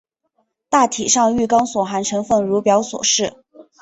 大体上玉钢所含成分如表所示。